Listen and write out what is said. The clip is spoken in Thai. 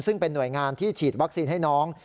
ซึ่งเป็นหน่วยงานที่ฉีดวัคซีนให้น้อง